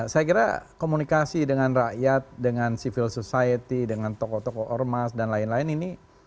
saya kira komunikasi dengan rakyat dengan civil society dengan tokoh tokoh ormas dan lain lain ini